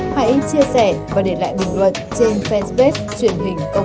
hãy chia sẻ và để lại bình luận trên facebook truyền hình công an nhân dân